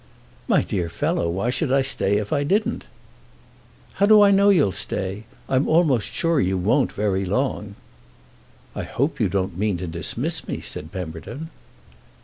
"My dear fellow, why should I stay if I didn't?" "How do I know you'll stay? I'm almost sure you won't, very long." "I hope you don't mean to dismiss me," said Pemberton.